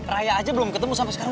raya aja belum ketemu sampai sekarang